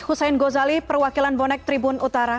hussein gozali perwakilan bonek tribun utara